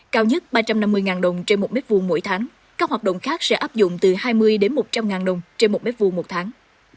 cao nhất ba trăm năm mươi đồng trên một m hai mỗi tháng các hoạt động khác sẽ áp dụng từ hai mươi đến một trăm linh ngàn đồng trên một m hai một tháng